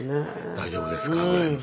大丈夫ですか？ぐらいの。